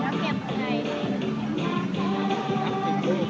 ตรงตรงตรงตรงตรง